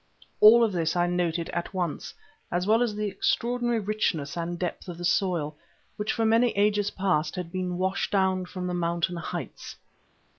All of this I noted at once, as well as the extraordinary richness and depth of the soil, which for many ages past had been washed down from the mountain heights.